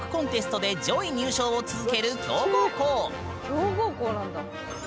強豪校なんだ。